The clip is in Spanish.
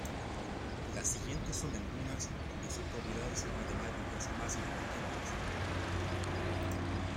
Las siguientes son algunas de sus propiedades matemáticas más importantes.